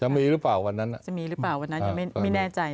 จะมีหรือเปล่าวันนั้นจะมีหรือเปล่าวันนั้นยังไม่แน่ใจ